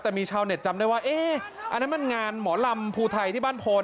แต่มีชาวเน็ตจำได้ว่าเอ๊ะอันนั้นมันงานหมอลำภูไทยที่บ้านโพน